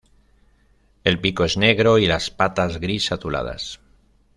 El pico es negro, y las patas gris-azuladas.